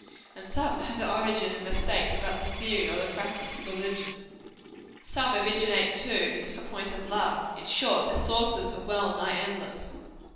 and some have their origin in mistakes about the theory or the practice of religion. Some originate, too, in disappointed love. In short, their sources are well nigh endless.